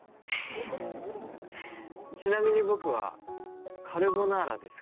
ちなみに僕はカルボナーラですが。